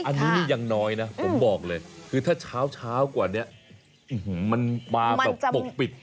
อันนี้นี่ยังน้อยนะผมบอกเลยคือถ้าเช้ากว่านี้มันมาแบบปกปิด